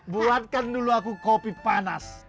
buatkan dulu aku kopi panas